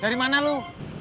dari mana lu